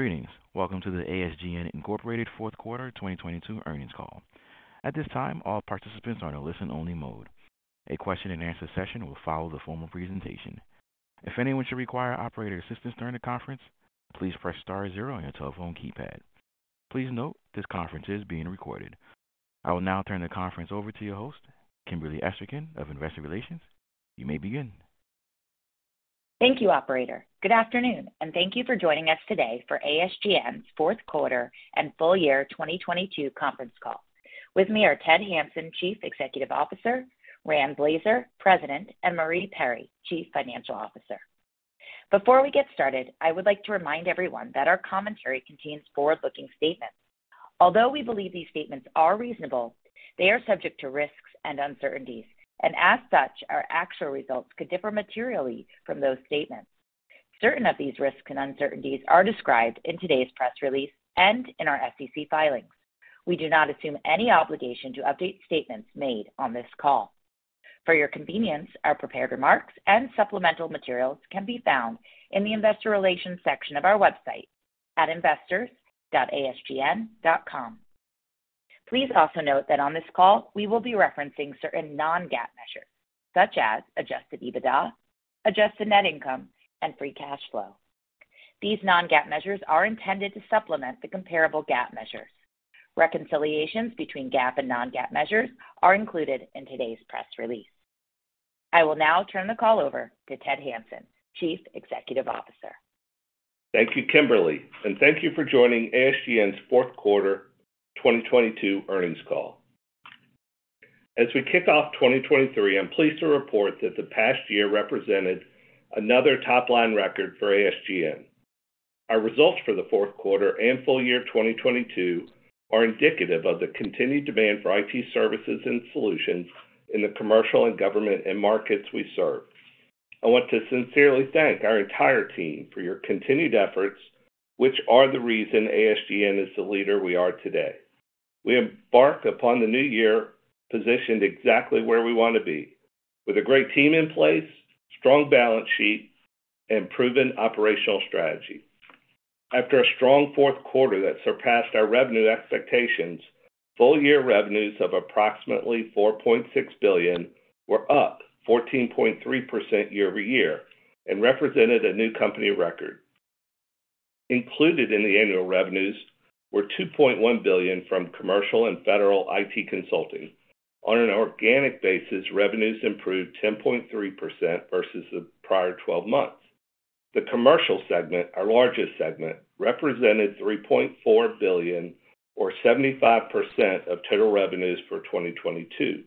Greetings. Welcome to the ASGN Incorporated fourth quarter 2022 earnings call. At this time, all participants are in a listen-only mode. A question-and-answer session will follow the formal presentation. If anyone should require operator assistance during the conference, please press star zero on your telephone keypad. Please note this conference is being recorded. I will now turn the conference over to your host, Kimberly Esterkin of Investor Relations. You may begin. Thank you, operator. Good afternoon, and thank you for joining us today for ASGN's fourth quarter and full year 2022 conference call. With me are Ted Hanson, Chief Executive Officer, Rand Blazer, President, and Marie Perry, Chief Financial Officer. Before we get started, I would like to remind everyone that our commentary contains forward-looking statements. Although we believe these statements are reasonable, they are subject to risks and uncertainties, and as such, our actual results could differ materially from those statements. Certain of these risks and uncertainties are described in today's press release and in our SEC filings. We do not assume any obligation to update statements made on this call. For your convenience, our prepared remarks and supplemental materials can be found in the investor relations section of our website at investors.asgn.com. Please also note that on this call, we will be referencing certain non-GAAP measures, such as adjusted EBITDA, adjusted net income, and free cash flow. These non-GAAP measures are intended to supplement the comparable GAAP measures. Reconciliations between GAAP and non-GAAP measures are included in today's press release. I will now turn the call over to Ted Hanson, Chief Executive Officer. Thank you, Kimberly, and thank you for joining ASGN's fourth quarter 2022 earnings call. As we kick off 2023, I'm pleased to report that the past year represented another top-line record for ASGN. Our results for the fourth quarter and full year 2022 are indicative of the continued demand for IT services and solutions in the commercial and government end markets we serve. I want to sincerely thank our entire team for your continued efforts, which are the reason ASGN is the leader we are today. We embark upon the new year positioned exactly where we want to be: with a great team in place, strong balance sheet, and proven operational strategy. After a strong fourth quarter that surpassed our revenue expectations, full year revenues of approximately $4.6 billion were up 14.3% year-over-year and represented a new company record. Included in the annual revenues were $2.1 billion from commercial and federal IT consulting. On an organic basis, revenues improved 10.3% versus the prior 12 months. The commercial segment, our largest segment, represented $3.4 billion or 75% of total revenues for 2022,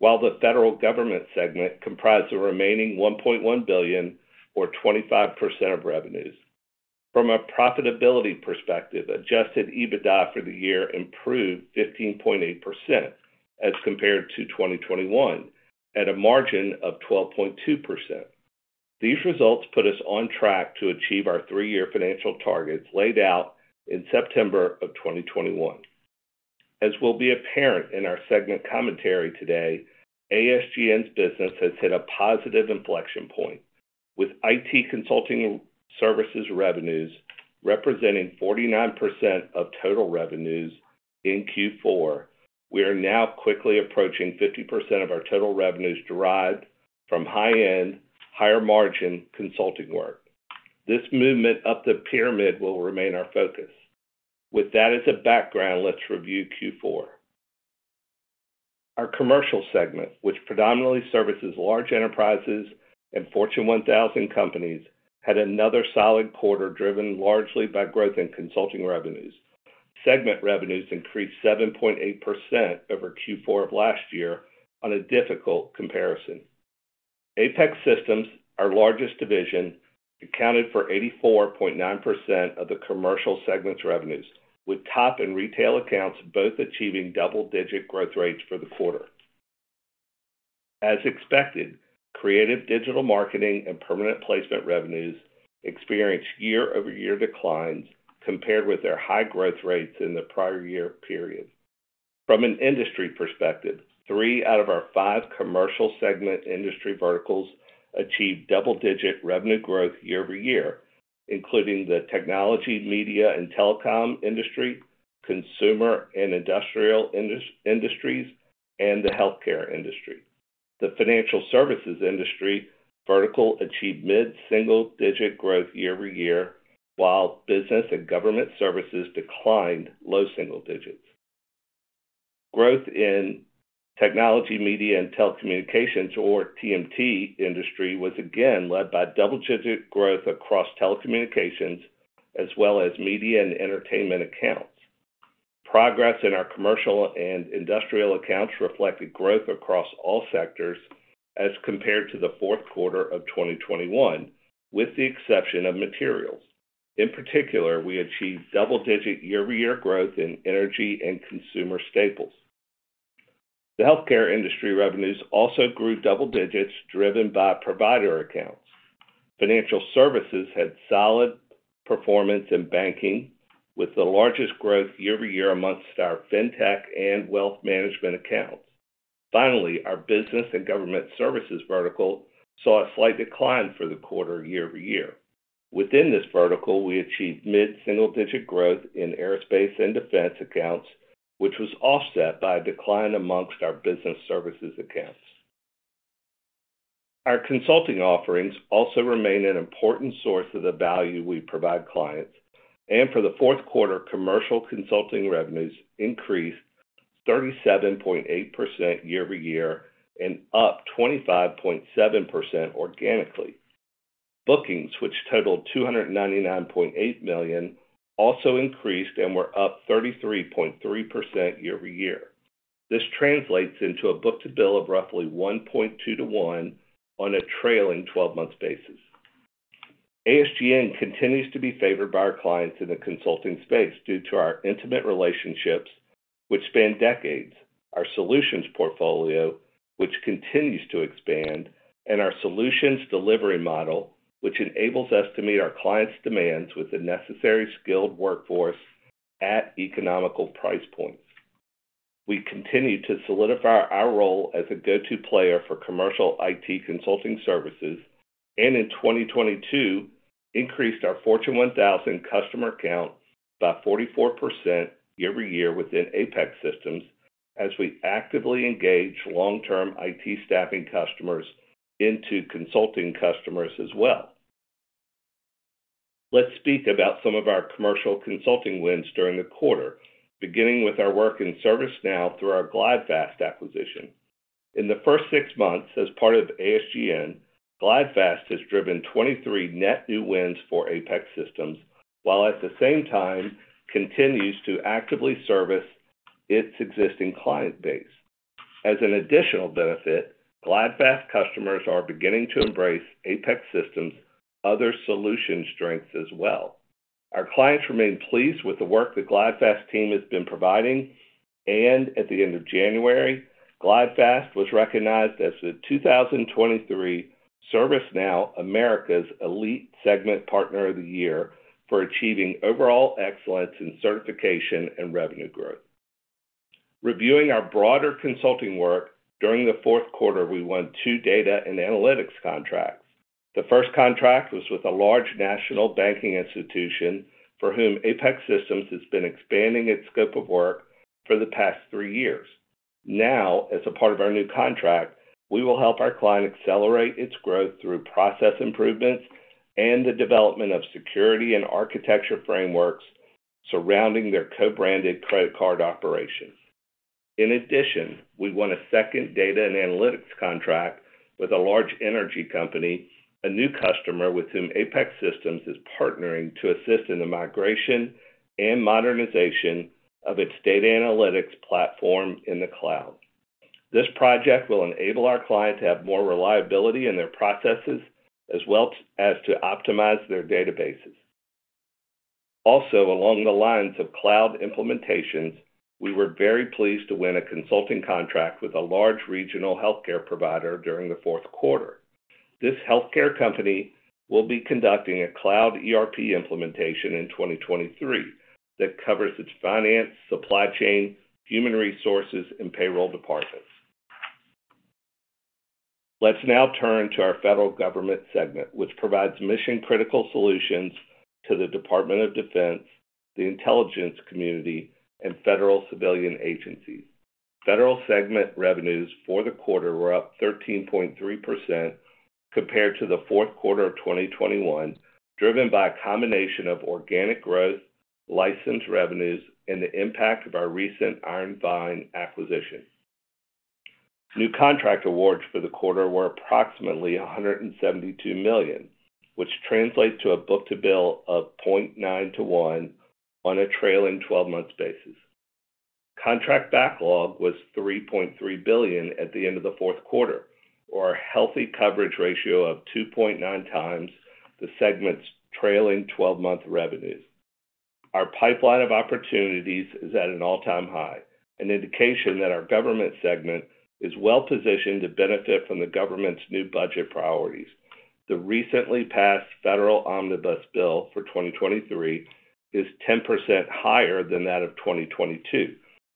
while the federal government segment comprised the remaining $1.1 billion or 25% of revenues. From a profitability perspective, adjusted EBITDA for the year improved 15.8% as compared to 2021 at a margin of 12.2%. These results put us on track to achieve our three-year financial targets laid out in September of 2021. As will be apparent in our segment commentary today, ASGN's business has hit a positive inflection point. With IT consulting services revenues representing 49% of total revenues in Q4, we are now quickly approaching 50% of our total revenues derived from high-end, higher margin consulting work. This movement up the pyramid will remain our focus. With that as a background, let's review Q4. Our commercial segment, which predominantly services large enterprises and Fortune 1000 companies, had another solid quarter, driven largely by growth in consulting revenues. Segment revenues increased 7.8% over Q4 of last year on a difficult comparison. Apex Systems, our largest division, accounted for 84.9% of the commercial segment's revenues, with top and retail accounts both achieving double-digit growth rates for the quarter. As expected, creative digital marketing and permanent placement revenues experienced year-over-year declines compared with their high growth rates in the prior year period. From an industry perspective, three out of our five commercial segment industry verticals achieved double-digit revenue growth year-over-year, including the technology, media, and telecom industry, consumer and industrial industries, and the healthcare industry. The financial services industry vertical achieved mid-single digit growth year-over-year, while business and government services declined low single digits. Growth in technology, media, and telecommunications, or TMT industry, was again led by double-digit growth across telecommunications as well as media and entertainment accounts. Progress in our commercial and industrial accounts reflected growth across all sectors as compared to the fourth quarter of 2021, with the exception of materials. In particular, we achieved double-digit year-over-year growth in energy and consumer staples. The healthcare industry revenues also grew double digits, driven by provider accounts. Financial services had solid performance in banking, with the largest growth year-over-year amongst our fintech and wealth management accounts. Our business and government services vertical saw a slight decline for the quarter year-over-year. Within this vertical, we achieved mid-single digit growth in aerospace and defense accounts, which was offset by a decline amongst our business services accounts. Our consulting offerings also remain an important source of the value we provide clients. For the fourth quarter, commercial consulting revenues increased 37.8% year-over-year and up 25.7% organically. Bookings, which totaled $299.8 million, also increased and were up 33.3% year-over-year. This translates into a book-to-bill of roughly 1.2-1 on a trailing 12 month basis. ASGN continues to be favored by our clients in the consulting space due to our intimate relationships which span decades, our solutions portfolio which continues to expand, and our solutions delivery model which enables us to meet our clients' demands with the necessary skilled workforce at economical price points. We continue to solidify our role as a go-to player for commercial IT consulting services, and in 2022 increased our Fortune 1000 customer count by 44% year-over-year within Apex Systems as we actively engage long-term IT staffing customers into consulting customers as well. Let's speak about some of our commercial consulting wins during the quarter, beginning with our work in ServiceNow through our GlideFast acquisition. In the first six months as part of ASGN, GlideFast has driven 23 net new wins for Apex Systems, while at the same time continues to actively service its existing client base. As an additional benefit, GlideFast customers are beginning to embrace Apex Systems' other solution strengths as well. Our clients remain pleased with the work the GlideFast team has been providing, and at the end of January, GlideFast was recognized as the 2023 ServiceNow America's Elite Segment Partner of the Year for achieving overall excellence in certification and revenue growth. Reviewing our broader consulting work, during the fourth quarter we won two data and analytics contracts. The first contract was with a large national banking institution for whom Apex Systems has been expanding its scope of work for the past three years. Now, as a part of our new contract, we will help our client accelerate its growth through process improvements and the development of security and architecture frameworks surrounding their co-branded credit card operations. We won a second data and analytics contract with a large energy company, a new customer with whom Apex Systems is partnering to assist in the migration and modernization of its data analytics platform in the cloud. This project will enable our client to have more reliability in their processes, as well as to optimize their databases. Along the lines of cloud implementations, we were very pleased to win a consulting contract with a large regional healthcare provider during the fourth quarter. This healthcare company will be conducting a cloud ERP implementation in 2023 that covers its finance, supply chain, human resources, and payroll departments. Let's now turn to our federal government segment, which provides mission-critical solutions to the Department of Defense, the intelligence community, and federal civilian agencies. Federal segment revenues for the quarter were up 13.3% compared to the fourth quarter of 2021, driven by a combination of organic growth, license revenues, and the impact of our recent Iron Vine acquisition. New contract awards for the quarter were approximately $172 million, which translates to a book-to-bill of 0.9-1 on a trailing 12 month basis. Contract backlog was $3.3 billion at the end of the fourth quarter, or a healthy coverage ratio of 2.9 times the segment's trailing 12 month revenues. Our pipeline of opportunities is at an all-time high, an indication that our government segment is well-positioned to benefit from the government's new budget priorities. The recently passed federal omnibus bill for 2023 is 10% higher than that of 2022,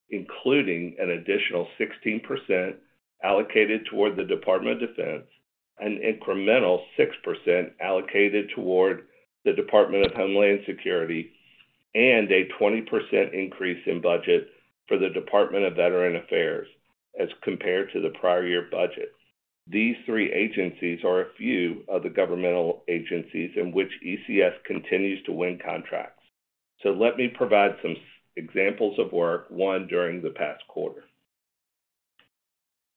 including an additional 16% allocated toward the Department of Defense, an incremental 6% allocated toward the Department of Homeland Security, and a 20% increase in budget for the Department of Veterans Affairs as compared to the prior year budget. These three agencies are a few of the governmental agencies in which ECS continues to win contracts. Let me provide some examples of work won during the past quarter.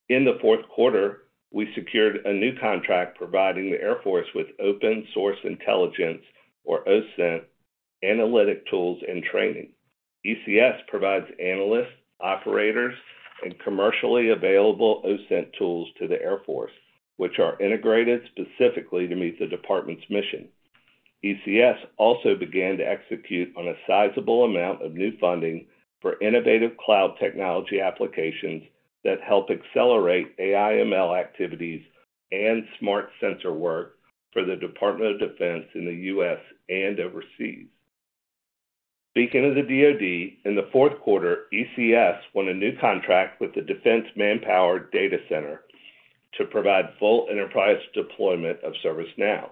In the fourth quarter, we secured a new contract providing the Air Force with open-source intelligence, or OSINT, analytic tools and training. ECS provides analysts, operators, and commercially available OSINT tools to the Air Force, which are integrated specifically to meet the department's mission. ECS also began to execute on a sizable amount of new funding for innovative cloud technology applications that help accelerate AI/ML activities and smart sensor work for the Department of Defense in the U.S., and overseas. Speaking of the DoD, in the fourth quarter, ECS won a new contract with the Defense Manpower Data Center to provide full enterprise deployment of ServiceNow.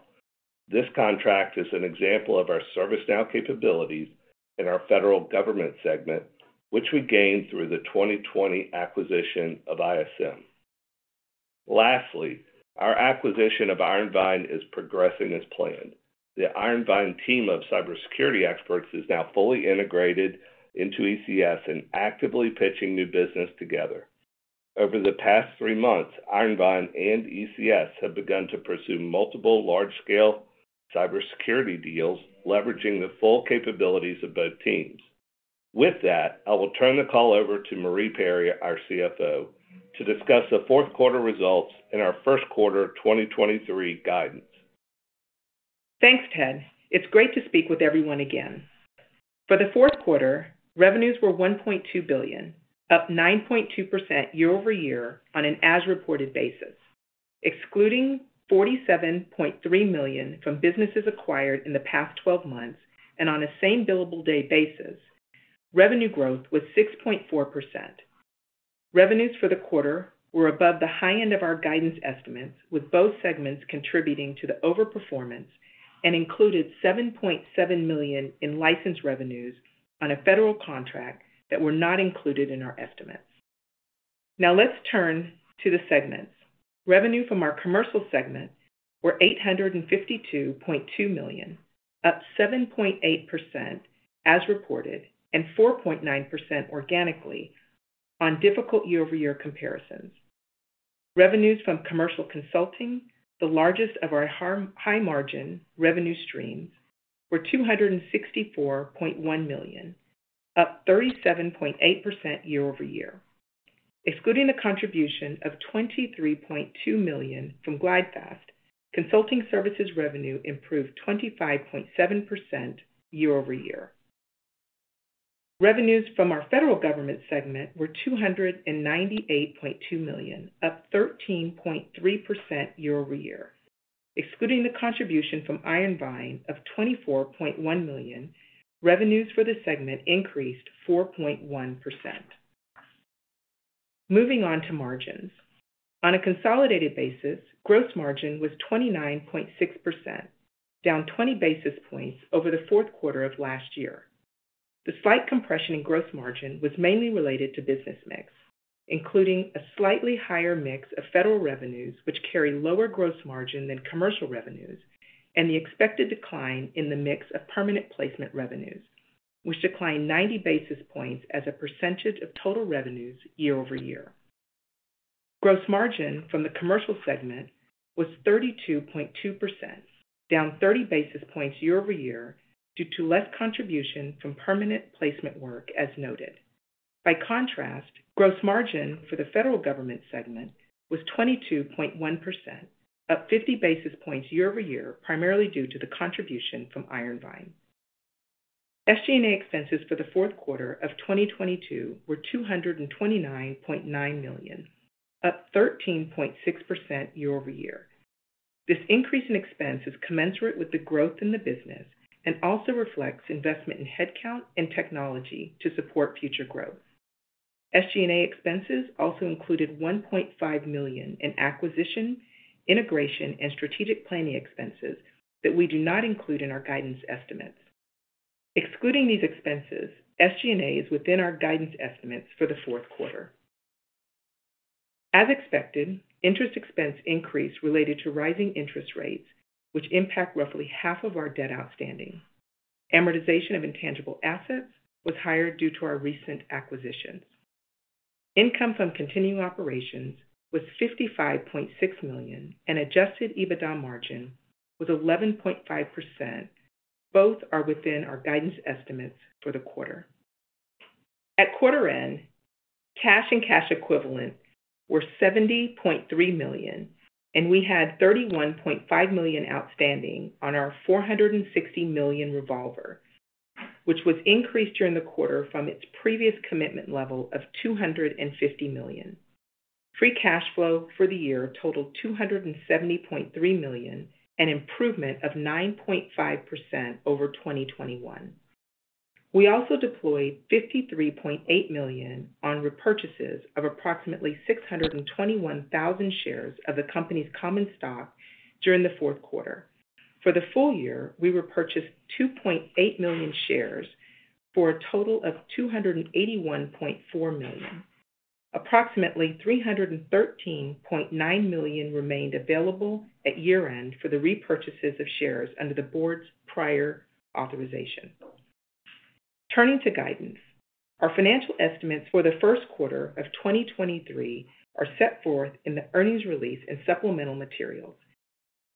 This contract is an example of our ServiceNow capabilities in our federal government segment, which we gained through the 2020 acquisition of ISM. Our acquisition of Iron Vine is progressing as planned. The Iron Vine team of cybersecurity experts is now fully integrated into ECS and actively pitching new business together. Over the past three months, Iron Vine and ECS have begun to pursue multiple large-scale cybersecurity deals, leveraging the full capabilities of both teams. With that, I will turn the call over to Marie Perry, our CFO, to discuss the fourth quarter results and our first quarter 2023 guidance. Thanks, Ted. It's great to speak with everyone again. For the fourth quarter, revenues were $1.2 billion, up 9.2% year-over-year on an as-reported basis. Excluding $47.3 million from businesses acquired in the past 12 months and on a same billable day basis, revenue growth was 6.4%. Revenues for the quarter were above the high end of our guidance estimates, with both segments contributing to the overperformance, and included $7.7 million in license revenues on a federal contract that were not included in our estimates. Let's turn to the segments. Revenue from our commercial segments were $852.2 million, up 7.8% as reported and 4.9% organically on difficult year-over-year comparisons. Revenues from commercial consulting, the largest of our high-margin revenue streams, were $264.1 million, up 37.8% year-over-year. Excluding the contribution of $23.2 million from GlideFast, consulting services revenue improved 25.7% year-over-year. Revenues from our federal government segment were $298.2 million, up 13.3% year-over-year. Excluding the contribution from Iron Vine of $24.1 million, revenues for the segment increased 4.1%. Moving on to margins. On a consolidated basis, gross margin was 29.6%, down 20 basis points over the fourth quarter of last year. The slight compression in gross margin was mainly related to business mix, including a slightly higher mix of federal revenues which carry lower gross margin than commercial revenues, and the expected decline in the mix of permanent placement revenues, which declined 90 basis points as a percentage of total revenues year-over-year. Gross margin from the commercial segment was 32.2%, down 30 basis points year-over-year due to less contribution from permanent placement work, as noted. By contrast, gross margin for the federal government segment was 22.1%, up 50 basis points year-over-year, primarily due to the contribution from Iron Vine. SG&A expenses for the fourth quarter of 2022 were $229.9 million, up 13.6% year-over-year. This increase in expense is commensurate with the growth in the business and also reflects investment in headcount and technology to support future growth. SG&A expenses also included $1.5 million in acquisition, integration, and strategic planning expenses that we do not include in our guidance estimates. Excluding these expenses, SG&A is within our guidance estimates for the fourth quarter. As expected, interest expense increased related to rising interest rates, which impact roughly half of our debt outstanding. Amortization of intangible assets was higher due to our recent acquisitions. Income from continuing operations was $55.6 million, and adjusted EBITDA margin was 11.5%. Both are within our guidance estimates for the quarter. At quarter end, cash and cash equivalents were $70.3 million, and we had $31.5 million outstanding on our $460 million revolver, which was increased during the quarter from its previous commitment level of $250 million. Free cash flow for the year totaled $270.3 million, an improvement of 9.5% over 2021. We also deployed $53.8 million on repurchases of approximately 621,000 shares of the company's common stock during the fourth quarter. For the full year, we repurchased 2.8 million shares for a total of $281.4 million. Approximately $313.9 million remained available at year-end for the repurchases of shares under the Board's prior authorization. Turning to guidance, our financial estimates for the first quarter of 2023 are set forth in the earnings release and supplemental materials.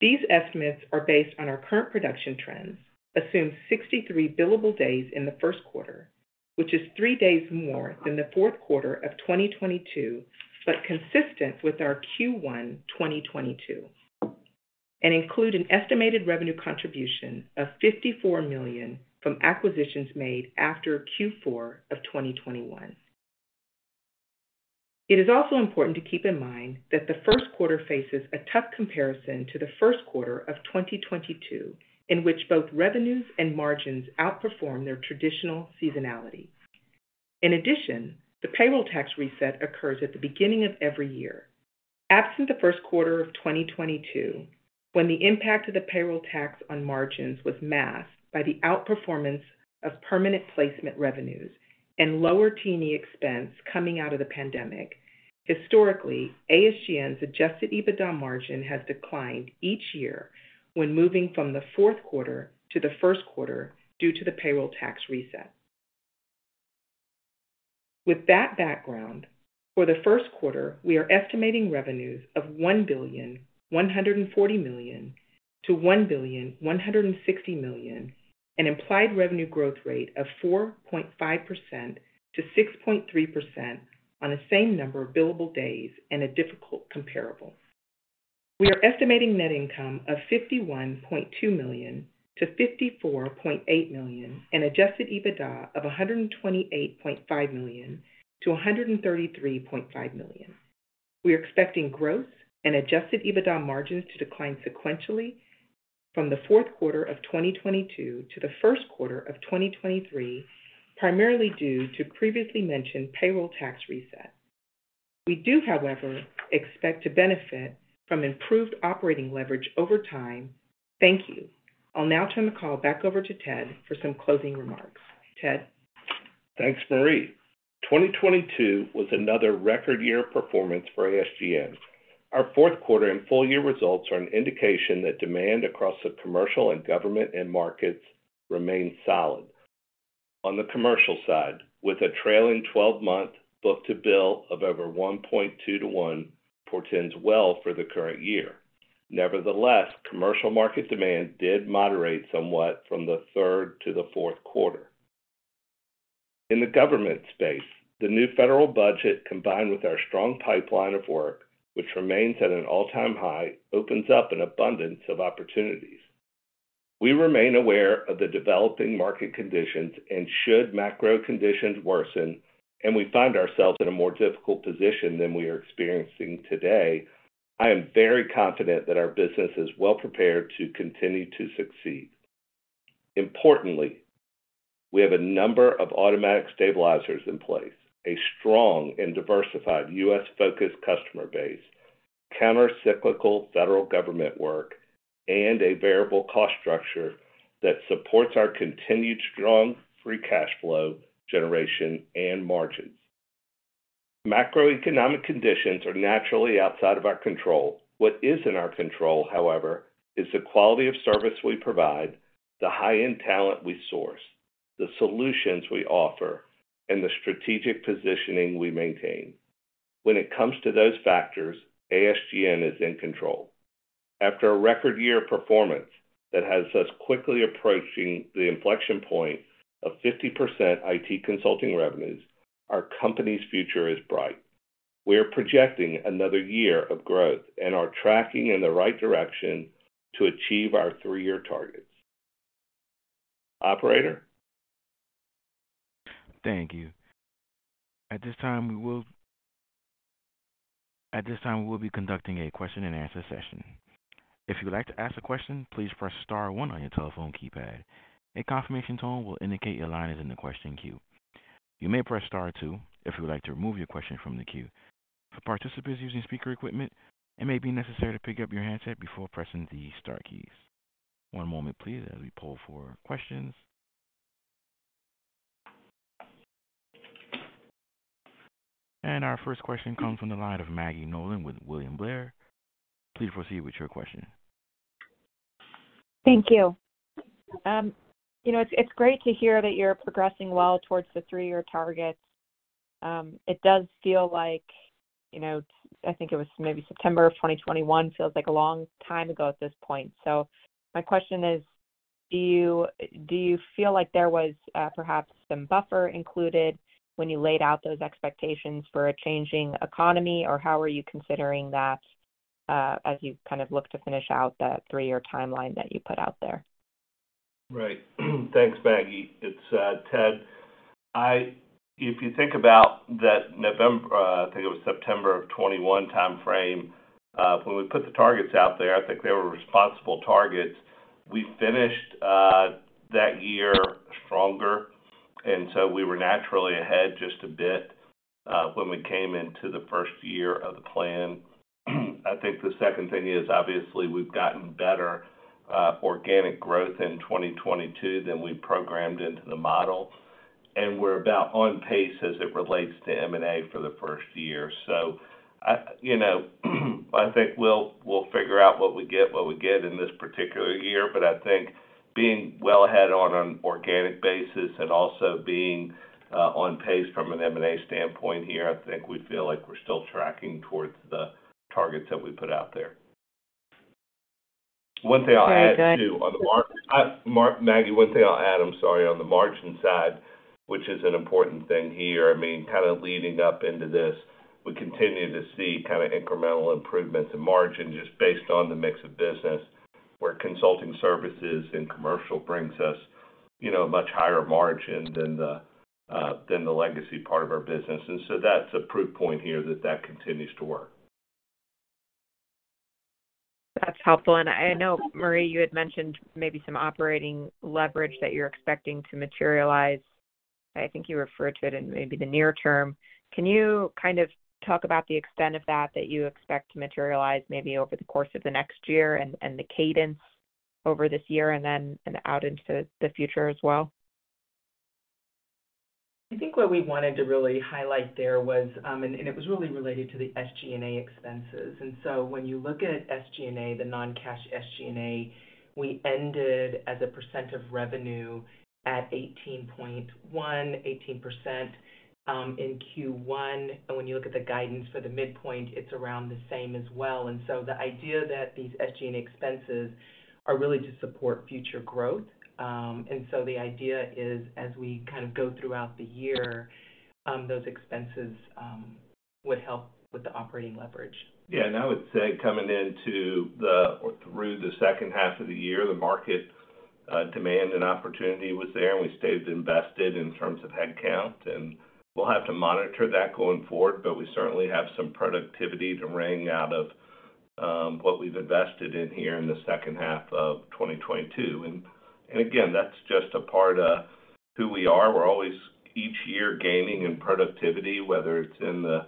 These estimates are based on our current production trends, assume 63 billable days in the first quarter, which is three days more than the fourth quarter of 2022, but consistent with our Q1 2022, and include an estimated revenue contribution of $54 million from acquisitions made after Q4 of 2021. It is also important to keep in mind that the 1st quarter faces a tough comparison to the first quarter of 2022, in which both revenues and margins outperformed their traditional seasonality. In addition, the payroll tax reset occurs at the beginning of every year. Absent the first quarter of 2022, when the impact of the payroll tax on margins was masked by the outperformance of permanent placement revenues and lower T&E expense coming out of the pandemic. Historically, ASGN's adjusted EBITDA margin has declined each year when moving from the fourth quarter to the first quarter due to the payroll tax reset. With that background, for the first quarter, we are estimating revenues of $1.14 billion-$1.16 billion, an implied revenue growth rate of 4.5%-6.3% on the same number of billable days and a difficult comparable. We are estimating net income of $51.2 million-$54.8 million and adjusted EBITDA of $128.5 million-$133.5 million. We are expecting growth and adjusted EBITDA margins to decline sequentially from the fourth quarter of 2022 to the first quarter of 2023, primarily due to previously mentioned payroll tax reset. We do, however, expect to benefit from improved operating leverage over time. Thank you. I'll now turn the call back over to Ted for some closing remarks. Ted? Thanks, Marie. 2022 was another record year of performance for ASGN. Our fourth quarter and full year results are an indication that demand across the commercial and government end markets remains solid. On the commercial side, with a trailing 12 month book-to-bill of over 1.2-1 portends well for the current year. Commercial market demand did moderate somewhat from the third to the fourth quarter. In the government space, the new federal budget, combined with our strong pipeline of work, which remains at an all-time high, opens up an abundance of opportunities. We remain aware of the developing market conditions, and should macro conditions worsen and we find ourselves in a more difficult position than we are experiencing today, I am very confident that our business is well prepared to continue to succeed. Importantly, we have a number of automatic stabilizers in place, a strong and diversified U.S.-focused customer base, counter-cyclical federal government work, and a variable cost structure that supports our continued strong free cash flow generation and margins. Macroeconomic conditions are naturally outside of our control. What is in our control, however, is the quality of service we provide, the high-end talent we source, the solutions we offer, and the strategic positioning we maintain. When it comes to those factors, ASGN is in control. After a record year of performance that has us quickly approaching the inflection point of 50% IT consulting revenues, our company's future is bright. We are projecting another year of growth and are tracking in the right direction to achieve our three-year targets. Operator? Thank you. At this time, we will be conducting a question-and-answer session. If you would like to ask a question, please press star one on your telephone keypad. A confirmation tone will indicate your line is in the question queue. You may press star two if you would like to remove your question from the queue. For participants using speaker equipment, it may be necessary to pick up your handset before pressing the star keys. One moment please, as we poll for questions. Our first question comes from the line of Maggie Nolan with William Blair. Please proceed with your question. Thank you. You know, it's great to hear that you're progressing well towards the three year targets. It does feel like, you know, I think it was maybe September of 2021 feels like a long time ago at this point. My question is, do you feel like there was perhaps some buffer included when you laid out those expectations for a changing economy? How are you considering that as you kind of look to finish out that three year timeline that you put out there? Right. Thanks, Maggie. It's Ted. If you think about that November, I think it was September of 2021 timeframe, when we put the targets out there, I think they were responsible targets. We finished that year stronger, we were naturally ahead just a bit, when we came into the first year of the plan. I think the second thing is obviously we've gotten better, organic growth in 2022 than we programmed into the model, we're about on pace as it relates to M&A for the first year. I, you know, I think we'll figure out what we get, what we get in this particular year. I think being well ahead on an organic basis and also being on pace from an M&A standpoint here, I think we feel like we're still tracking towards the targets that we put out there. One thing I'll add, too, Maggie, one thing I'll add, I'm sorry, on the margin side, which is an important thing here, I mean, kind of leading up into this. We continue to see kind of incremental improvements in margin just based on the mix of business, where consulting services and commercial brings us, you know, a much higher margin than the legacy part of our business. That's a proof point here that continues to work. That's helpful. I know, Marie, you had mentioned maybe some operating leverage that you're expecting to materialize. I think you referred to it in maybe the near term. Can you kind of talk about the extent of that you expect to materialize maybe over the course of the next year and the cadence over this year and out into the future as well? I think what we wanted to really highlight there was it was really related to the SG&A expenses. When you look at SG&A, the non-cash SG&A, we ended as a percent of revenue at 18.1%, 18% in Q1. When you look at the guidance for the midpoint, it's around the same as well. The idea that these SG&A expenses are really to support future growth. The idea is, as we kind of go throughout the year, those expenses would help with the operating leverage. Yeah. I would say coming into or through the second half of the year, the market demand and opportunity was there. We stayed invested in terms of headcount, and we'll have to monitor that going forward. We certainly have some productivity to wring out of what we've invested in here in the second half of 2022. And again, that's just a part of who we are. We're always each year gaining in productivity, whether it's in the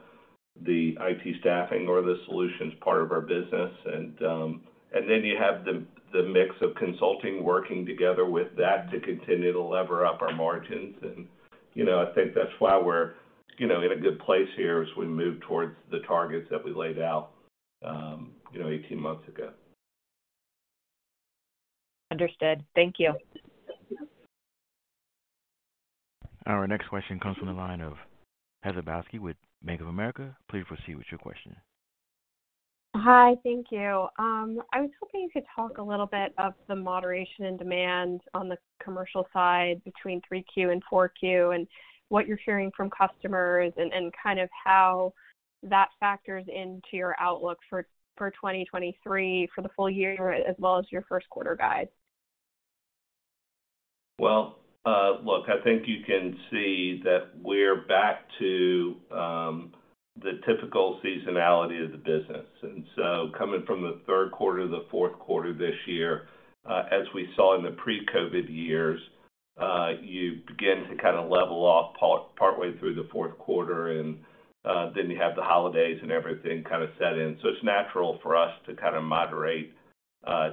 IT staffing or the solutions part of our business. Then you have the mix of consulting working together with that to continue to lever up our margins. You know, I think that's why we're, you know, in a good place here as we move towards the targets that we laid out, you know, 18 months ago. Understood. Thank you. Our next question comes from the line of Heather Balsky with Bank of America. Please proceed with your question. Hi. Thank you. I was hoping you could talk a little bit of the moderation in demand on the commercial side between 3Q and 4Q, and what you're hearing from customers, and kind of how that factors into your outlook for 2023 for the full year, as well as your first quarter guide. Well, look, I think you can see that we're back to the typical seasonality of the business. Coming from the third quarter to the fourth quarter this year, as we saw in the pre-COVID years, you begin to kind of level off partway through the fourth quarter, and then you have the holidays and everything kind of set in. It's natural for us to kind of moderate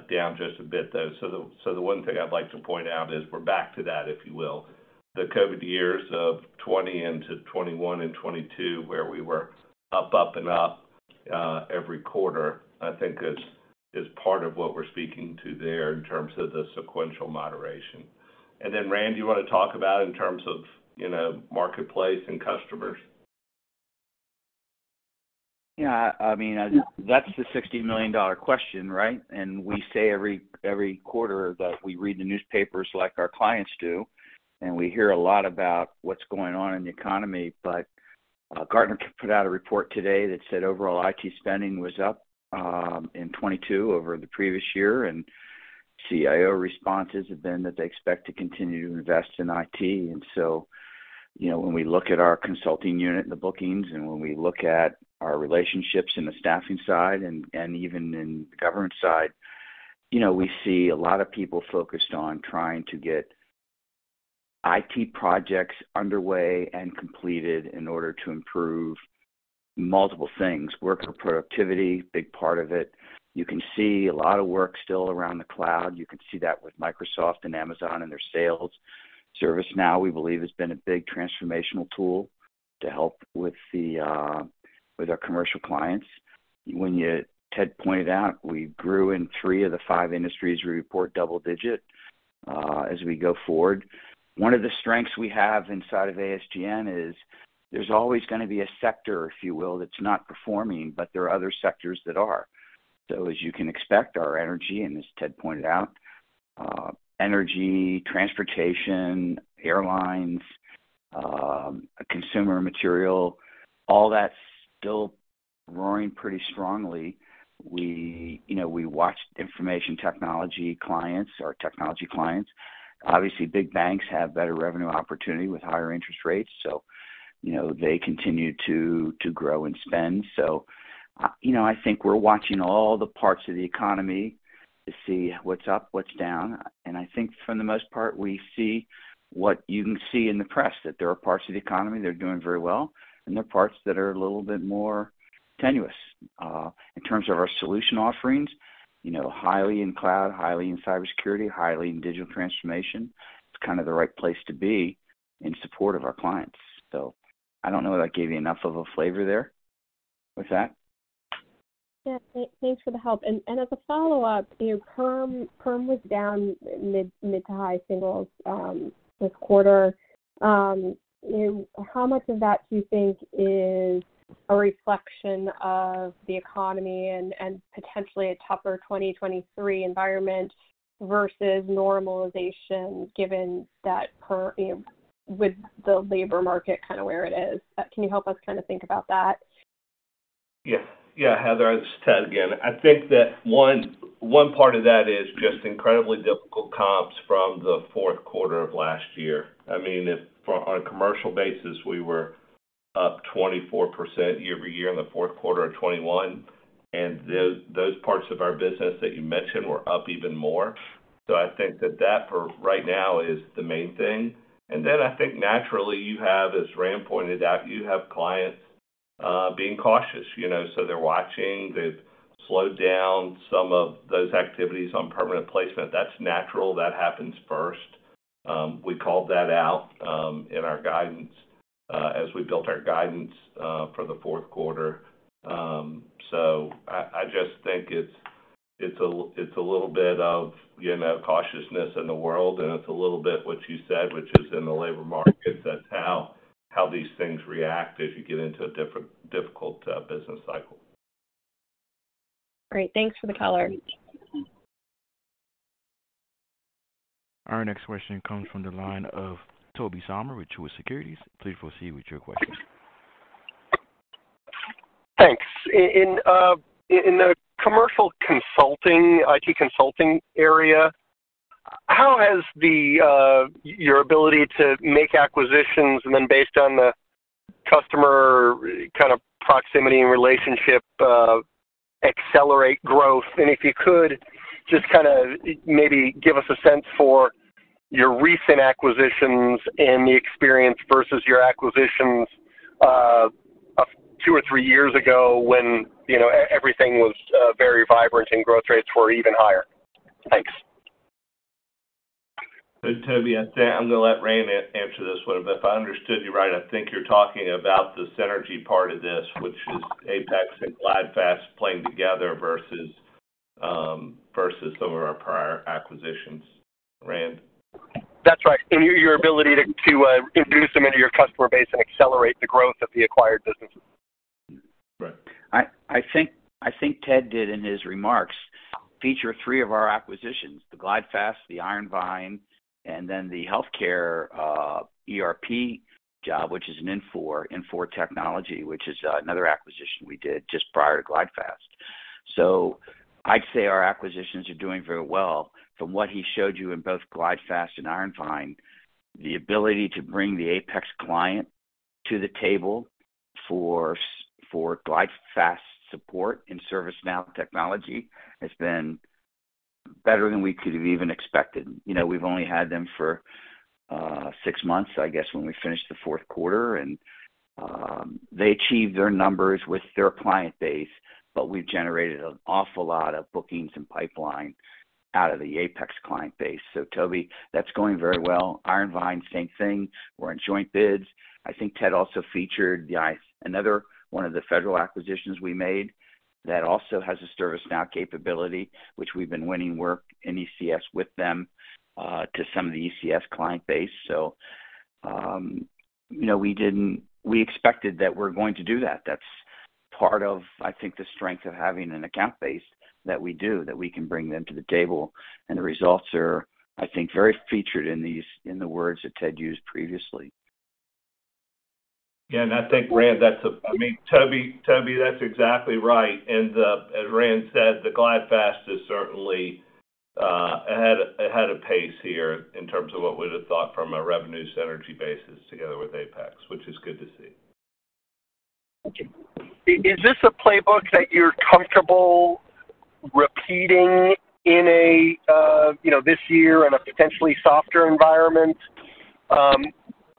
down just a bit though. The one thing I'd like to point out is we're back to that, if you will. The COVID years of 2020 into 2021 and 2022, where we were up, and up, every quarter, I think is part of what we're speaking to there in terms of the sequential moderation. Randy, you wanna talk about in terms of, you know, marketplace and customers? Yeah. I mean, that's the $60 million question, right? We say every quarter that we read the newspapers like our clients do, and we hear a lot about what's going on in the economy. Gartner put out a report today that said overall IT spending was up in 2022 over the previous year, and CIO responses have been that they expect to continue to invest in IT. You know, when we look at our consulting unit and the bookings and when we look at our relationships in the staffing side and even in the government side, you know, we see a lot of people focused on trying to get IT projects underway and completed in order to improve multiple things. Worker productivity, big part of it. You can see a lot of work still around the cloud. You can see that with Microsoft and Amazon and their sales. ServiceNow, we believe, has been a big transformational tool to help with the with our commercial clients. Ted pointed out we grew in three of the five industries we report double-digit as we go forward. One of the strengths we have inside of ASGN is there's always gonna be a sector, if you will, that's not performing, but there are other sectors that are. As you can expect, our energy, and as Ted pointed out, energy, transportation, airlines, consumer material, all that's still roaring pretty strongly. We, you know, we watch information technology clients or technology clients. Obviously, big banks have better revenue opportunity with higher interest rates, so, you know, they continue to grow and spend. You know, I think we're watching all the parts of the economy to see what's up, what's down. I think for the most part, we see what you can see in the press, that there are parts of the economy that are doing very well, and there are parts that are a little bit more tenuous. In terms of our solution offerings, you know, highly in cloud, highly in cybersecurity, highly in digital transformation. It's kind of the right place to be in support of our clients. I don't know if that gave you enough of a flavor there with that. Yeah. Thanks for the help. As a follow-up, you know, perm was down mid to high singles, this quarter. How much of that do you think is a reflection of the economy and potentially a tougher 2023 environment versus normalization given that you know, with the labor market kind of where it is? Can you help us kind of think about that? Yeah, yeah, Heather, it's Ted again. I think that one part of that is just incredibly difficult comps from the fourth quarter of last year. I mean, on a commercial basis, we were up 24% year-over-year in the fourth quarter of 2021, and those parts of our business that you mentioned were up even more. I think that for right now is the main thing. I think naturally you have, as Rand pointed out, you have clients being cautious, you know. They're watching, they've slowed down some of those activities on permanent placement. That's natural. That happens first. We called that out in our guidance as we built our guidance for the fourth quarter. I just think it's a little bit of, you know, cautiousness in the world, and it's a little bit what you said, which is in the labor market. That's how these things react as you get into a difficult business cycle. Great. Thanks for the color. Our next question comes from the line of Tobey Sommer with Truist Securities. Please proceed with your question. Thanks. In the commercial consulting, IT consulting area, how has your ability to make acquisitions and then based on the customer kind of proximity and relationship, accelerate growth? If you could, just kinda maybe give us a sense for your recent acquisitions and the experience versus your acquisitions, two or three years ago when, you know, everything was very vibrant and growth rates were even higher. Thanks. Tobey, I'm gonna let Rand answer this one. If I understood you right, I think you're talking about the synergy part of this, which is Apex and GlideFast playing together versus versus some of our prior acquisitions. Rand? That's right. your ability to induce them into your customer base and accelerate the growth of the acquired businesses. Right. I think Ted did in his remarks, feature three of our acquisitions, the GlideFast, the Iron Vine, and then the healthcare ERP job, which is an Infor technology, which is another acquisition we did just prior to GlideFast. I'd say our acquisitions are doing very well. From what he showed you in both GlideFast and Iron Vine, the ability to bring the Apex client to the table for GlideFast support in ServiceNow technology has been better than we could have even expected. You know, we've only had them for six months, I guess, when we finished the fourth quarter. They achieved their numbers with their client base, but we've generated an awful lot of bookings and pipeline out of the Apex client base. Tobey, that's going very well. Iron Vine, same thing. We're in joint bids. I think Ted also featured the another one of the federal acquisitions we made that also has a ServiceNow capability, which we've been winning work in ECS with them, to some of the ECS client base. you know, we expected that we're going to do that. That's part of, I think, the strength of having an account base that we do, that we can bring them to the table. The results are, I think, very featured in the words that Ted used previously. Yeah. I think, Rand, I mean, Tobey, that's exactly right. As Rand said, the GlideFast is certainly ahead of pace here in terms of what we'd have thought from a revenue synergy basis together with Apex, which is good to see. Is this a playbook that you're comfortable repeating in a, you know, this year in a potentially softer environment,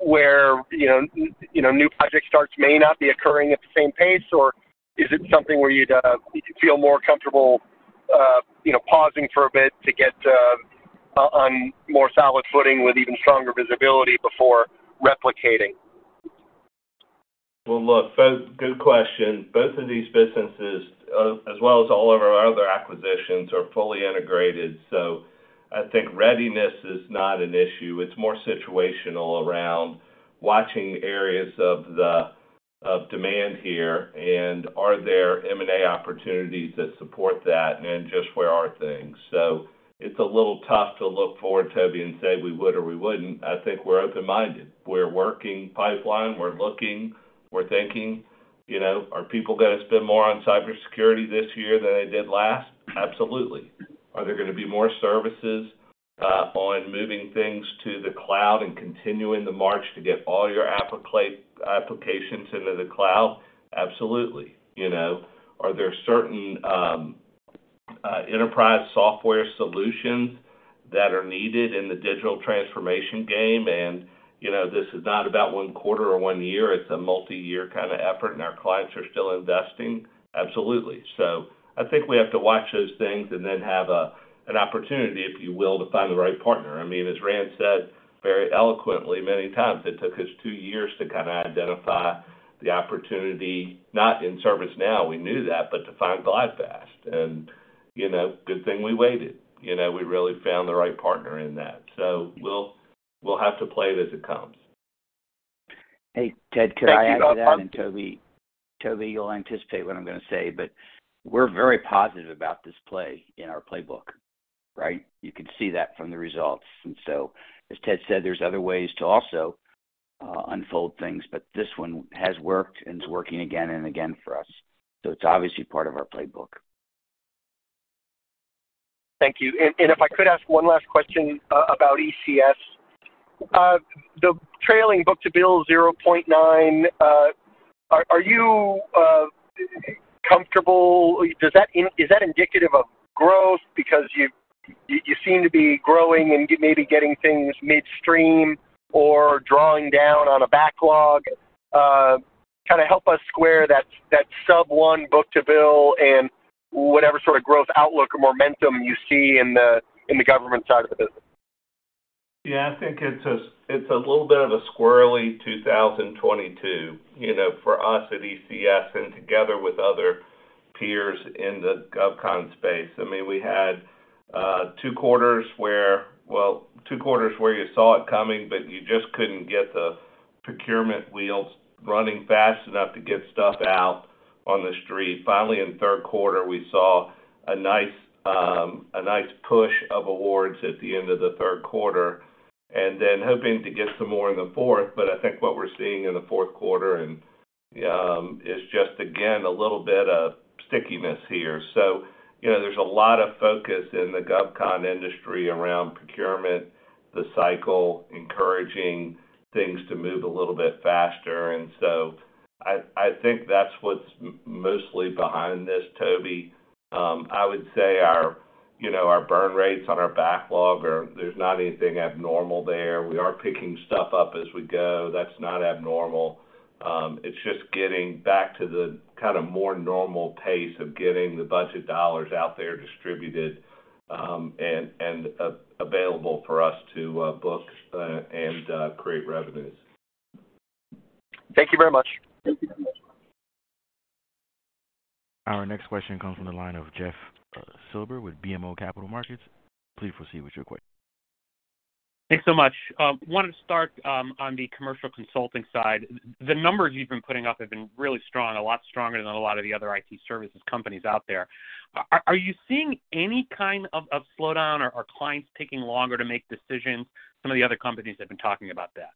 where, you know, you know, new project starts may not be occurring at the same pace? Or is it something where you'd, you feel more comfortable, you know, pausing for a bit to get, on more solid footing with even stronger visibility before replicating? Look, good question. Both of these businesses, as well as all of our other acquisitions, are fully integrated. I think readiness is not an issue. It's more situational around watching areas of demand here. Are there M&A opportunities that support that? Just where are things? It's a little tough to look forward, Tobey, and say we would or we wouldn't. I think we're open-minded. We're working pipeline, we're looking, we're thinking, you know, are people gonna spend more on cybersecurity this year than they did last? Absolutely. Are there gonna be more services on moving things to the cloud and continuing the march to get all your applications into the cloud? Absolutely. You know, are there certain enterprise software solutions that are needed in the digital transformation game? You know, this is not about one quarter or 1oneyear, it's a multi-year kind of effort, and our clients are still investing? Absolutely. I think we have to watch those things and then have an opportunity, if you will, to find the right partner. I mean, as Rand said very eloquently many times, it took us two years to kinda identify the opportunity, not in ServiceNow, we knew that, but to find GlideFast. You know, good thing we waited. You know, we really found the right partner in that. We'll have to play it as it comes. Hey, Ted, could I add to that? Thank you. Tobey, you'll anticipate what I'm gonna say, but we're very positive about this play in our playbook, right? You can see that from the results. As Ted said, there's other ways to also unfold things, but this one has worked, and it's working again and again for us. It's obviously part of our playbook. Thank you. If I could ask one last question about ECS. The trailing 0.9, are you comfortable? Is that indicative of growth because you seem to be growing and maybe getting things midstream or drawing down on a backlog? Kind of help us square that sub one book-to-bill and whatever sort of growth outlook or momentum you see in the government side of the business. Yeah. I think it's a little bit of a squirrelly 2022, you know, for us at ECS and together with other peers in the GovCon space. I mean, we had two quarters where. Well, two quarters where you saw it coming, but you just couldn't get the procurement wheels running fast enough to get stuff out on the street. Finally, in third quarter, we saw a nice, a nice push of awards at the end of the third quarter, and then hoping to get some more in the fourth. I think what we're seeing in the fourth quarter and is just, again, a little bit of stickiness here. You know, there's a lot of focus in the GovCon industry around procurement, the cycle, encouraging things to move a little bit faster. I think that's what's mostly behind this, Tobey. I would say our, you know, our burn rates on our backlog are there's not anything abnormal there. We are picking stuff up as we go. That's not abnormal. It's just getting back to the kind of more normal pace of getting the budget dollars out there distributed, and available for us to book and create revenues. Thank you very much. Thank you. Our next question comes from the line of Jeff Silber with BMO Capital Markets. Please proceed with your question. Thanks so much. Wanted to start on the commercial consulting side. The numbers you've been putting up have been really strong, a lot stronger than a lot of the other IT services companies out there. Are you seeing any kind of slowdown or are clients taking longer to make decisions? Some of the other companies have been talking about that?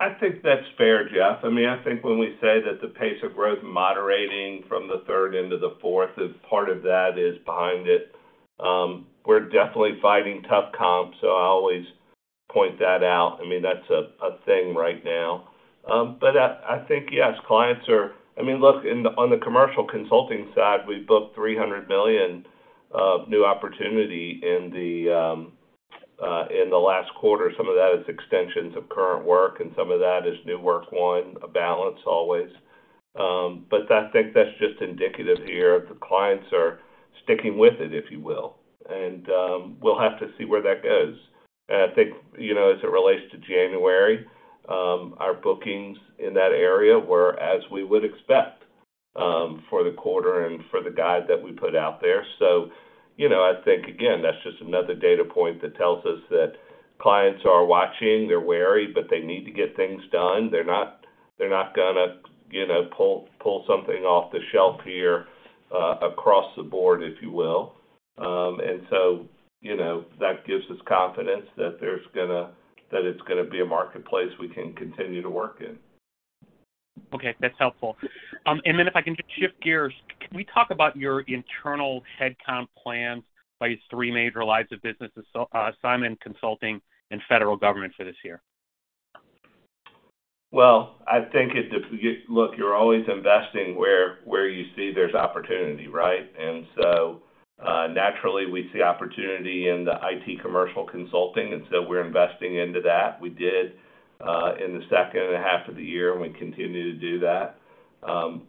I think that's fair, Jeff. I mean, I think when we say that the pace of growth moderating from the third into the fourth is part of that is behind it. We're definitely fighting tough comps, so I always point that out. I mean, that's a thing right now. I think, yes, clients are... I mean, look, on the commercial consulting side, we've booked $300 million of new opportunity in the last quarter. Some of that is extensions of current work, and some of that is new work. One, a balance always. I think that's just indicative here. The clients are sticking with it, if you will, and we'll have to see where that goes. I think, you know, as it relates to January, our bookings in that area were as we would expect, for the quarter and for the guide that we put out there. I think again, that's just another data point that tells us that clients are watching, they're wary, but they need to get things done. They're not gonna, you know, pull something off the shelf here, across the board, if you will. That gives us confidence that it's gonna be a marketplace we can continue to work in. Okay. That's helpful. If I can just shift gears. Can we talk about your internal headcount plans by three major lines of business, Simon Consulting and federal government for this year? Well, I think it. Look, you're always investing where you see there's opportunity, right? Naturally, we see opportunity in the IT commercial consulting, and so we're investing into that. We did in the second and a half of the year, and we continue to do that.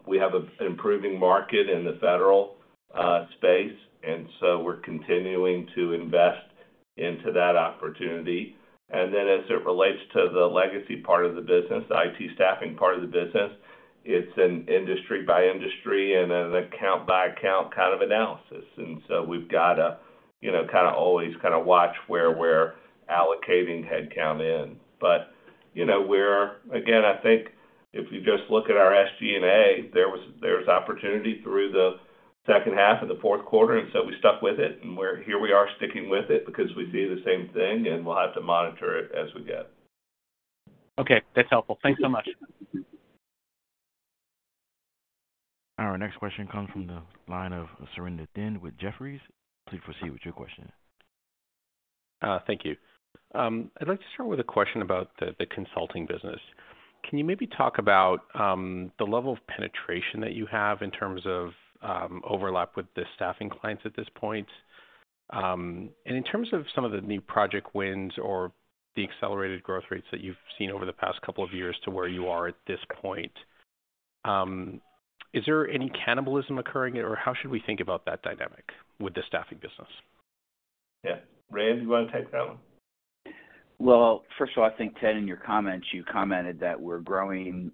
We have an improving market in the federal space, and so we're continuing to invest into that opportunity. As it relates to the legacy part of the business, the IT staffing part of the business, it's an industry by industry and an account by account kind of analysis. We've got to, you know, kind of always kind of watch where we're allocating headcount in. You know, Again, I think if you just look at our SG&A, there's opportunity through the second half of the fourth quarter, and so we stuck with it. Here we are sticking with it because we see the same thing, and we'll have to monitor it as we go. Okay. That's helpful. Thanks so much. Our next question comes from the line of Surinder Thind with Jefferies. Please proceed with your question. Thank you. I'd like to start with a question about the consulting business. Can you maybe talk about the level of penetration that you have in terms of overlap with the staffing clients at this point? In terms of some of the new project wins or the accelerated growth rates that you've seen over the past couple of years to where you are at this point, is there any cannibalism occurring, or how should we think about that dynamic with the staffing business? Yeah. Rand, you wanna take that one? First of all, I think, Ted, in your comments, you commented that we're growing,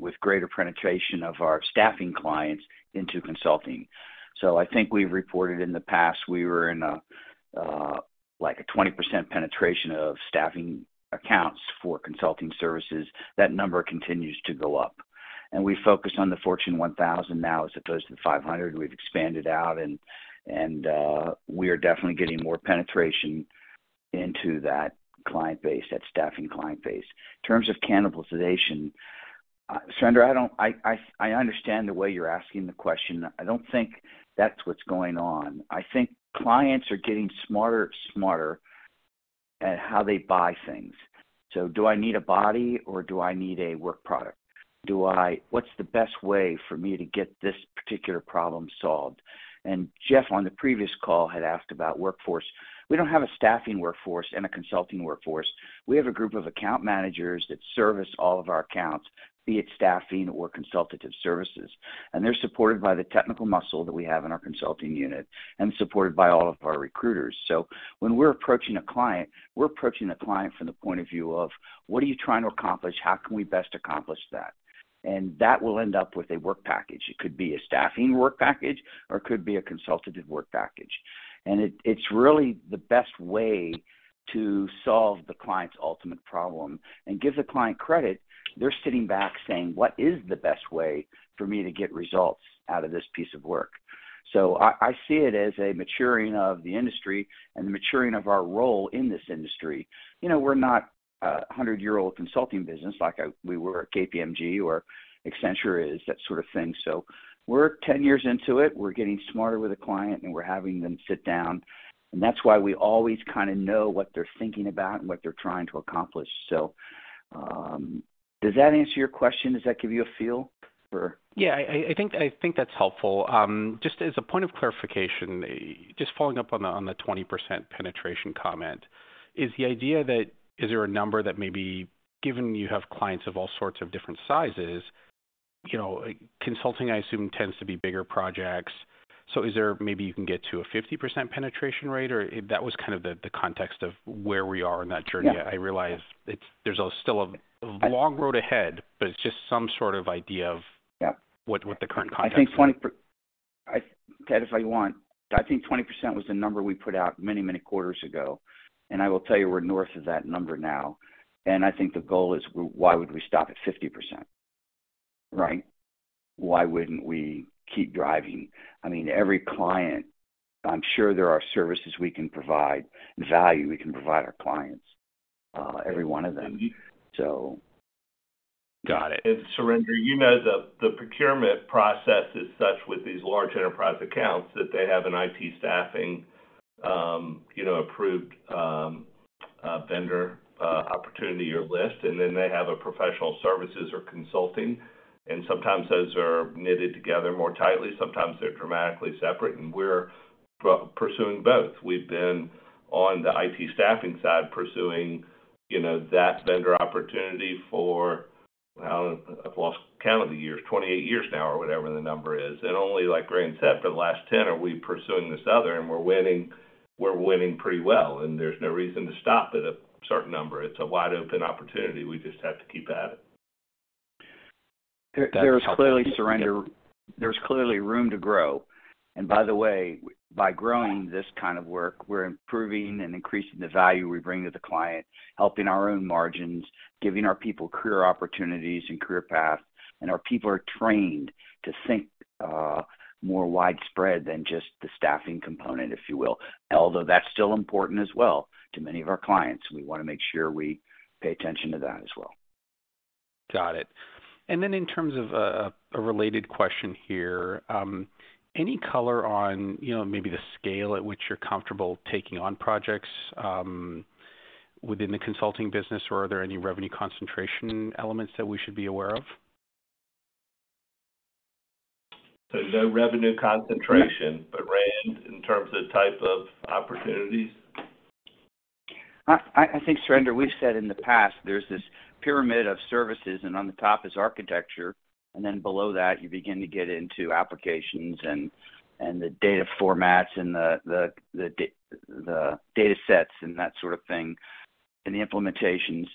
with greater penetration of our staffing clients into consulting. I think we've reported in the past we wee in a, like a 20% penetration of staffing accounts for consulting services. That number continues to go up. We focus on the Fortune 1000 now as opposed to the 500. We've expanded out and we are definitely getting more penetration into that client base, that staffing client base. In terms of cannibalization, Surinder, I don't... I understand the way you're asking the question. I don't think that's what's going on. I think clients are getting smarter at how they buy things. Do I need a body or do I need a work product? What's the best way for me to get this particular problem solved? Jeff, on the previous call, had asked about workforce. We don't have a staffing workforce and a consulting workforce. We have a group of account managers that service all of our accounts, be it staffing or consultative services. They're supported by the technical muscle that we have in our consulting unit, and supported by all of our recruiters. When we're approaching a client, we're approaching the client from the point of view of, what are you trying to accomplish? How can we best accomplish that? That will end up with a work package. It could be a staffing work package, or it could be a consultative work package. It's really the best way to solve the client's ultimate problem. Give the client credit, they're sitting back saying, "What is the best way for me to get results out of this piece of work?" I see it as a maturing of the industry and the maturing of our role in this industry. You know, we're not a 100-year-old consulting business like we were at KPMG or Accenture is, that sort of thing. We're 10 years into it. We're getting smarter with the client, and we're having them sit down, and that's why we always kinda know what they're thinking about and what they're trying to accomplish. Does that answer your question? Does that give you a feel for? Yeah. I think that's helpful. Just as a point of clarification, just following up on the 20% penetration comment. Is there a number that maybe, given you have clients of all sorts of different sizes, you know, consulting, I assume, tends to be bigger projects? Is there maybe you can get to a 50% penetration rate or? That was kind of the context of where we are in that journey. Yeah. I realize there's still a long road ahead, but it's just some sort of idea. Yeah what the current context is. Ted, if I want, I think 20% was the number we put out many, many quarters ago. I will tell you we're north of that number now. I think the goal is why would we stop at 50%, right? Why wouldn't we keep driving? I mean, every client, I'm sure there are services we can provide, value we can provide our clients, every one of them. Got it. Surinder, you know the procurement process is such with these large enterprise accounts that they have an IT staffing, you know, approved, vendor, opportunity or list, and then they have a professional services or consulting, and sometimes those are knitted together more tightly, sometimes they're dramatically separate, and we're pursuing both. We've been on the IT staffing side pursuing, you know, that vendor opportunity for... I've lost count of the years. 28 years now or whatever the number is. Only, like Rand said, for the last 10 are we pursuing this other, and we're winning, we're winning pretty well, and there's no reason to stop at a certain number. It's a wide open opportunity. We just have to keep at it. That's helpful. There is clearly, Surinder, there's clearly room to grow. By the way, by growing this kind of work, we're improving and increasing the value we bring to the client, helping our own margins, giving our people career opportunities and career paths. Our people are trained to think, more widespread than just the staffing component, if you will. Although that's still important as well to many of our clients, we wanna make sure we pay attention to that as well. Got it. In terms of a related question here, any color on, you know, maybe the scale at which you're comfortable taking on projects, within the consulting business or are there any revenue concentration elements that we should be aware of? No revenue concentration, but Rand, in terms of type of opportunities? I think, Surinder, we've said in the past there's this pyramid of services, and on the top is architecture, and then below that you begin to get into applications and the data formats and the datasets and that sort of thing, and the implementations.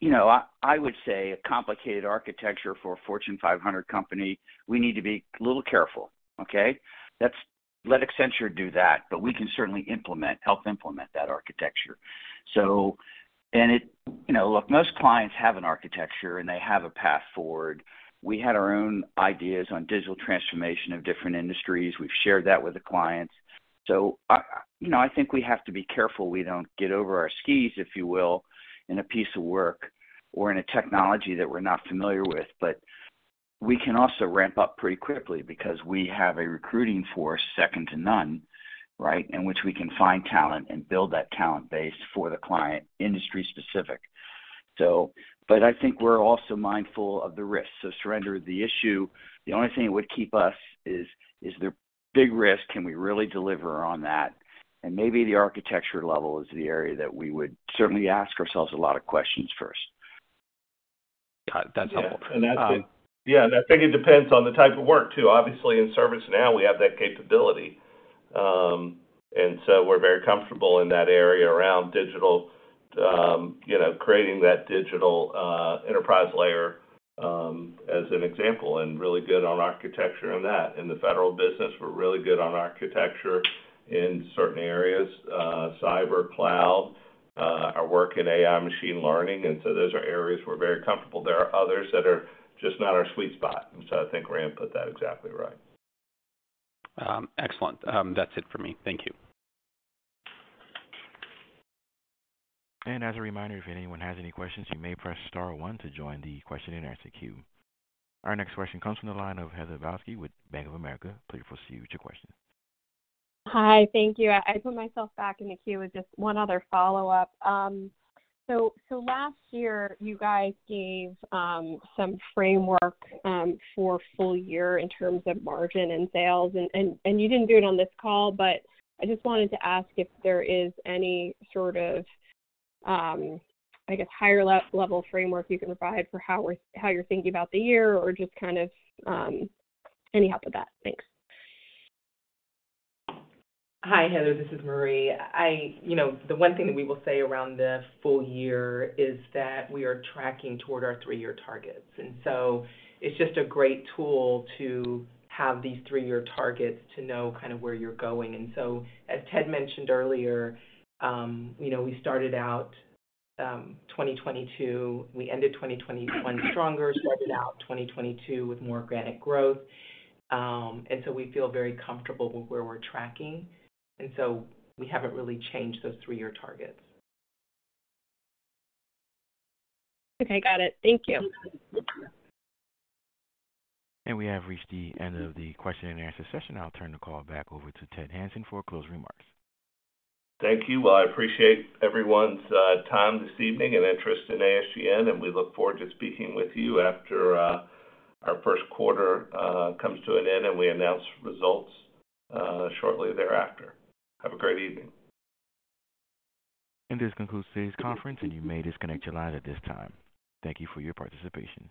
You know, I would say a complicated architecture for a Fortune 500 company, we need to be a little careful, okay? Let's let Accenture do that, but we can certainly help implement that architecture. You know, look, most clients have an architecture, and they have a path forward. We had our own ideas on digital transformation of different industries. We've shared that with the clients. I, you know, I think we have to be careful we don't get over our skis, if you will, in a piece of work or in a technology that we're not familiar with. We can also ramp up pretty quickly because we have a recruiting force second to none, right? In which we can find talent and build that talent base for the client, industry specific. I think we're also mindful of the risks. Surinder, the issue, the only thing that would keep us is there big risk, can we really deliver on that? Maybe the architecture level is the area that we would certainly ask ourselves a lot of questions first. Got it. That's helpful. Yeah. I think it depends on the type of work too. Obviously, in ServiceNow, we have that capability. We're very comfortable in that area around digital, you know, creating that digital enterprise layer as an example, and really good on architecture and that. In the federal business, we're really good on architecture in certain areas, cyber, cloud, our work in AI machine learning, those are areas we're very comfortable. There are others that are just not our sweet spot. I think Rand put that exactly right. Excellent. That's it for me. Thank you. As a reminder, if anyone has any questions, you may press star one to join the question and answer queue. Our next question comes from the line of Heather Balsky with Bank of America. Please proceed with your question. Hi. Thank you. I put myself back in the queue with just one other follow-up. Last year you guys gave some framework for full year in terms of margin and sales and you didn't do it on this call, but I just wanted to ask if there is any sort of, I guess higher level framework you can provide for how you're thinking about the year or just kind of any help with that. Thanks. Hi, Heather, this is Marie. You know, the one thing that we will say around the full year is that we are tracking toward our three-year targets. It's just a great tool to have these three-year targets to know kind of where you're going. As Ted mentioned earlier, you know, we started out 2022. We ended 2021 stronger, started out 2022 with more organic growth. We feel very comfortable with where we're tracking, and so we haven't really changed those three-year targets. Okay, got it. Thank you. We have reached the end of the question and answer session. I'll turn the call back over to Ted Hanson for closing remarks. Thank you. I appreciate everyone's time this evening and interest in ASGN. We look forward to speaking with you after our first quarter comes to an end and we announce results shortly thereafter. Have a great evening. This concludes today's conference, and you may disconnect your line at this time. Thank you for your participation.